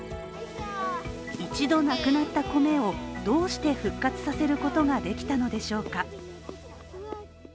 一度なくなった米を、どうして復活させることができたのでしょうか。